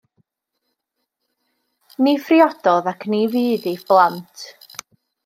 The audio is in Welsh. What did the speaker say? Ni phriododd ac ni fu iddi blant.